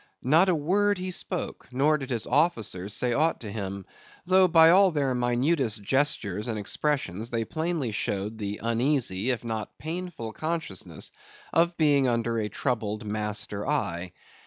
Not a word he spoke; nor did his officers say aught to him; though by all their minutest gestures and expressions, they plainly showed the uneasy, if not painful, consciousness of being under a troubled master eye.